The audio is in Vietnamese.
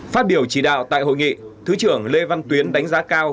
phát biểu chỉ đạo tại hội nghị thứ trưởng lê văn tuyến đánh giá cao